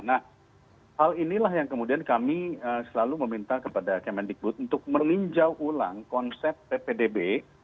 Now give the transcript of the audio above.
nah hal inilah yang kemudian kami selalu meminta kepada kemendikbud untuk meninjau ulang konsep ppdb